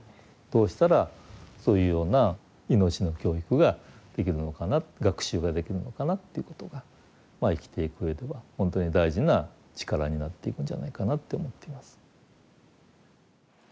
どうしたらそういうような命の教育ができるのかな学習ができるのかなっていうことが生きていくうえでは本当に大事な力になっていくんじゃないかなって思っています。